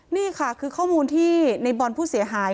นี่ค่ะคือข้อมูลที่ในบอลผู้เสียหาย